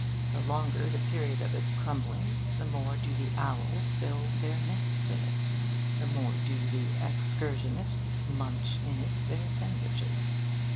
The longer the period of its crumbling, the more do the owls build their nests in it, the more do the excursionists munch in it their sandwiches.